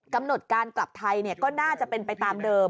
กำหนดการกลับไทยก็น่าจะเป็นไปตามเดิม